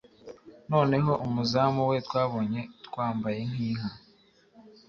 noneho umuzamu we twabonye twambaye nkinka